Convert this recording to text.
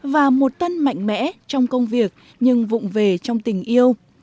và một tân mạnh mẽ trong công việc nhưng vụn về trong tình yêu